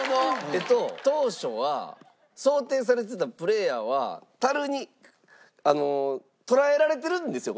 えっと当初は想定されてたプレーヤーは樽に捕らえられてるんですよ